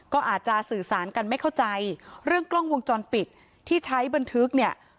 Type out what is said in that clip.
ก็อาจจะสื่อสารกันไม่เข้าใจเรื่องกล้องวงจรปิดที่ใช้บันทึกเนี่ย